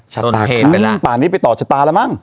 ชะตาขาดป่านนี้ไปต่อชะตาแล้วมั้ง